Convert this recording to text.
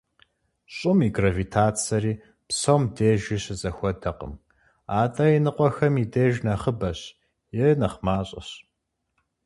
Щӏым и гравитацэри псом дежи щызэхуэдэкъым, атӏэ иныкъуэхэм и деж нэхъыбэщ е нэхъ мащӏэщ.